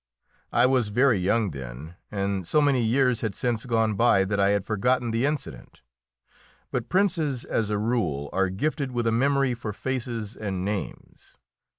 I was very young then, and so many years had since gone by that I had forgotten the incident; but princes as a rule are gifted with a memory for faces and names.